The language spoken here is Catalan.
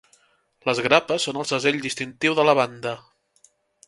Les grapes són el segell distintiu de la banda.